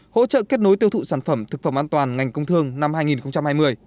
hỗ trợ kết nối tiêu thụ sản phẩm thực phẩm an toàn ngành công thương năm hai nghìn hai mươi